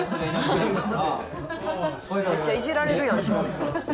「めっちゃいじられるやん白洲さん」